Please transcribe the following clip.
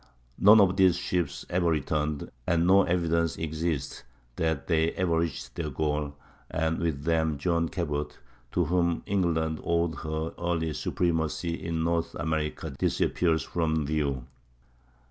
None of these ships ever returned, and no evidence exists that they ever reached their goal; and with them John Cabot, to whom England owed her early supremacy in North America, disappears from view.